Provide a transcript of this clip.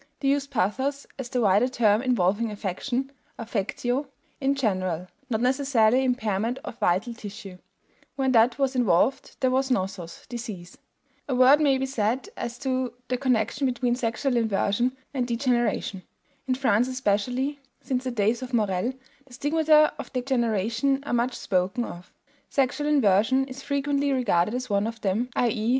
They used pathos as the wider term involving affection (affectio) in general, not necessarily impairment of vital tissue; when that was involved there was nosos, disease. We have to recognize the distinction even if we reject the terminology. A word may be said as to the connection between sexual inversion and degeneration. In France especially, since the days of Morel, the stigmata of degeneration are much spoken of. Sexual inversion is frequently regarded as one of them: i.e.